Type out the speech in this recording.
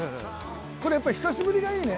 これやっぱり久しぶりがいいね。